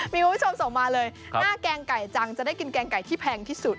มีคุณผู้ชมส่งมาเลยหน้าแกงไก่จังจะได้กินแกงไก่ที่แพงที่สุด